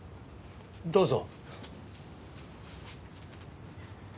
どうぞ。